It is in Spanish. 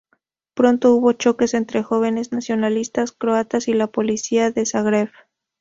Pronto hubo choques entre jóvenes nacionalistas croatas y la policía en Zagreb.